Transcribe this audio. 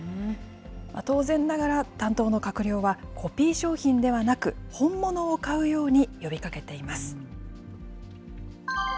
当然ながら、担当の閣僚は、コピー商品ではなく、本物を買うように呼びかけています。